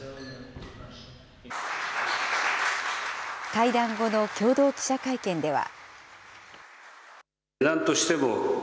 会談後の共同記者会見では。